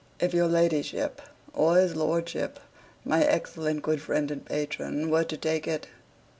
If your ladyship or his lordship, my excellent good friend and patron, were to take it